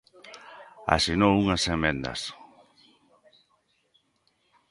Asinou unhas emendas.